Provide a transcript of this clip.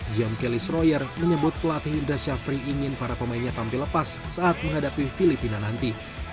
jam felis royer menyebut pelatih indra syafri ingin para pemainnya tampil lepas saat menghadapi filipina nanti